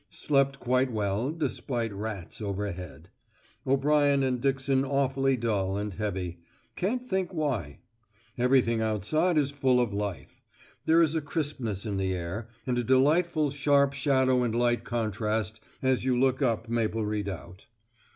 Slept quite well, despite rats overhead. O'Brien and Dixon awfully dull and heavy; can't think why. Everything outside is full of life; there is a crispness in the air, and a delightful sharp shadow and light contrast as you look up Maple Redoubt.